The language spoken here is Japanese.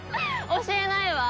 教えないわ。